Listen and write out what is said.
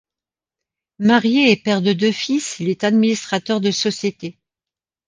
Marié et père de deux fils, il est administrateur de société.